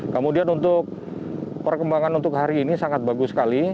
kemudian untuk perkembangan untuk hari ini sangat bagus sekali